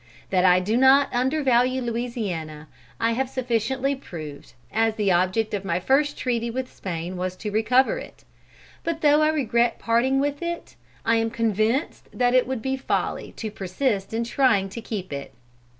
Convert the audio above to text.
That I do not undervalue Louisiana I have sufficiently proved, as the object of my first treaty with Spain was to recover it. But though I regret parting with it, I am convinced that it would be folly to persist in trying to keep it.